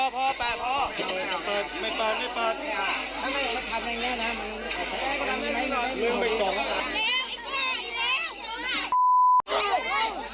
เร็วไอ้เก๋เร็ว